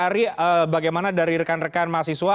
ari bagaimana dari rekan rekan mahasiswa